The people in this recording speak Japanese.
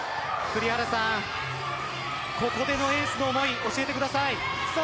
ここでのエースの思いを教えてください。